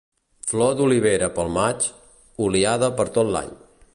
Flor d'olivera pel maig, oliada per tot l'any.